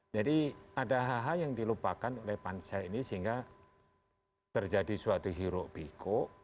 jadi ada hal hal yang dilupakan oleh panitia ini sehingga terjadi suatu hirobik